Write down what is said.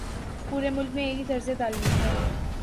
پورے ملک میں ایک ہی طرز تعلیم ہے۔